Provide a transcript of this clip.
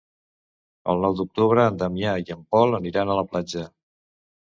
El nou d'octubre en Damià i en Pol aniran a la platja.